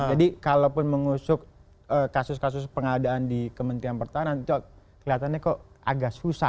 jadi kalaupun mengusuk kasus kasus pengadaan di kementerian pertahanan itu kelihatannya kok agak susah